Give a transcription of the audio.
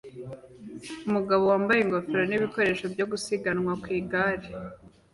Umugabo wambaye ingofero nibikoresho byo gusiganwa ku igare